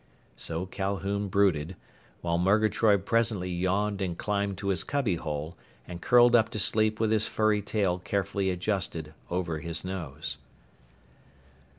So Calhoun brooded, while Murgatroyd presently yawned and climbed to his cubbyhole and curled up to sleep with his furry tail carefully adjusted over his nose.